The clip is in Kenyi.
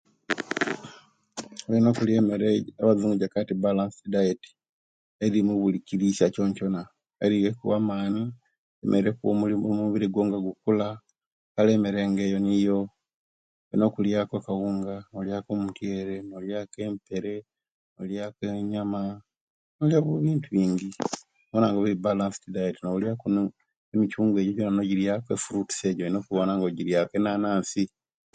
Tuyina okuliya emere abuzungu ejibakoba nti balansit dayat erimu buli kirisiya kyonkyona erikuwa maani erikuwa omubiri gwo nga gukula kale emere nga eyo olina kuliya ku akaunga, no'liya ku omutiyere, no'liyaku empere, noliyaku enyama no'liya ebintu bingi nowona nga oli balansi dayet ne emikyungwa enjo jona nojirya ku efuruts ejo oiyina okuwona nga ojiriya ku enanasi